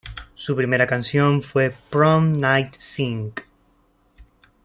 Su primera canción fue 'Prom Night Sync'.